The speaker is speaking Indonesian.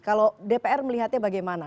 kalau dpr melihatnya bagaimana